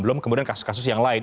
belum kemudian kasus kasus yang lain